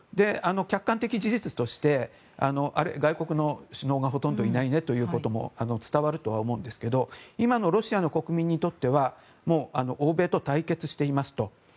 客観的事実として外国の首脳がほとんどいないねということも伝わるとは思うんですけど今のロシアの国民にとっては欧米と対決していますと。